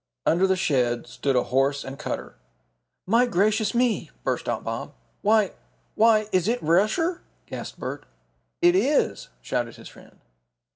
Under the shed stood a horse and cutter. "My gracious me!" burst out Bob. "Why why is it Rusher?" gasped Bert. "It is!" shouted his friend.